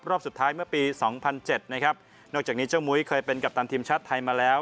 รอบสุดท้ายเมื่อปีสองพันเจ็ดนะครับนอกจากนี้เจ้ามุ้ยเคยเป็นกัปตันทีมชาติไทยมาแล้ว